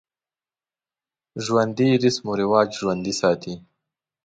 ژوندي رسم و رواج ژوندی ساتي